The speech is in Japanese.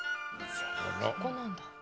そこなんだ。